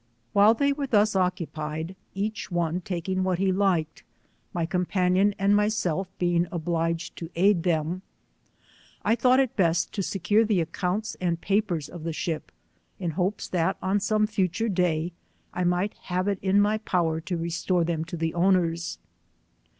While they were thus occupied, each one taking what he liked, my companion and myself being 40 obliged to aid them, I thought it best to secure the accounts and papers of the ship, in hopes that on some future day, I might have it in my power to restore them to the owners.